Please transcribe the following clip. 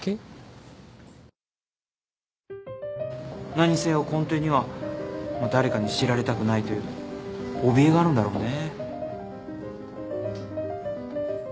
何にせよ根底には誰かに知られたくないというおびえがあるんだろうね。